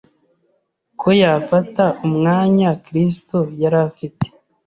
ko yafata umwanya Kristo yari afite.